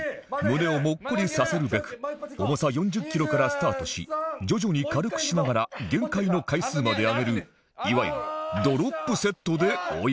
胸をモッコリさせるべく重さ４０キロからスタートし徐々に軽くしながら限界の回数まで上げるいわゆるドロップセットで追い込む